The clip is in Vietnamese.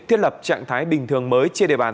thiết lập trạng thái bình thường mới trên địa bàn